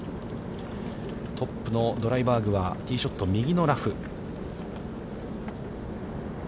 トップのドライバーグは、ティーショット、右のラフ。